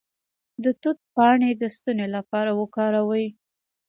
د توت پاڼې د ستوني لپاره وکاروئ